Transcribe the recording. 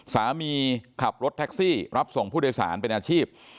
สามีขับรถแท็กซี่รับส่งผู้โดยสารเป็นอาชีพ